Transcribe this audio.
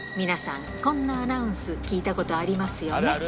皆さん、こんなアナウンス、聞いたことありますよね。